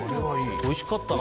おいしかったな。